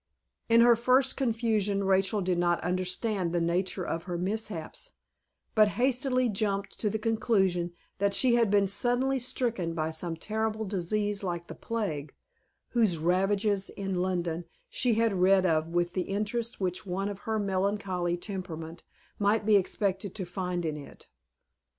In her first confusion, Rachel did not understand the nature of her mishaps, but hastily jumped to the conclusion that she had been suddenly stricken by some terrible disease like the plague, whose ravages in London she had read of with the interest which one of her melancholy temperament might be expected to find in it.